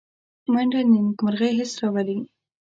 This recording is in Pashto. منډه د نېکمرغۍ حس راولي